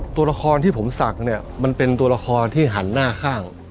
ตัวละครที่ผมศักดิ์เนี่ยมันเป็นตัวละครที่หันหน้าข้าง